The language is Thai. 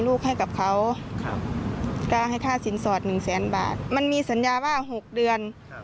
ลูกให้กับเขาให้ท่าสินสอด๑๐๐๐๐๐บาทมันมีสัญญาว่า๖เดือน